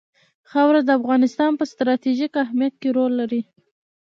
خاوره د افغانستان په ستراتیژیک اهمیت کې رول لري.